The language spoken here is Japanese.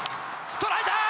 捉えたー！